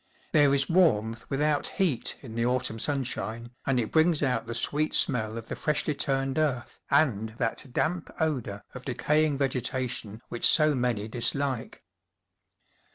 There is warmth without heat in the autumn sunshine, and it brings out the sweet smell of the freshly turned earth and that damp odour of decaying vegetation which so many dislike.